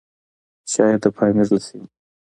شايد د پامير له سيمې؛